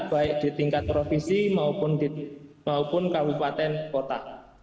baik di tingkat provinsi maupun kabupaten kota